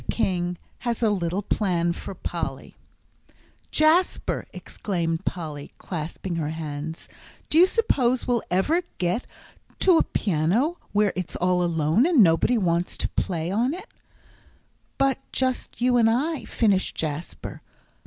KING HAS A LITTLE PLAN FOR POLLY "Oh Jasper," exclaimed Polly, clasping her hands, "do you suppose we'll ever get to a piano where it's all alone, and nobody wants to play on it " "But just you and I," finished Jasper.